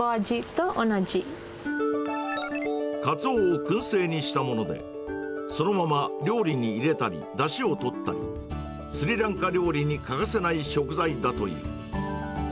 カツオをくん製にしたもので、そのまま料理に入れたり、だしをとったり、スリランカ料理に欠かせない食材だという。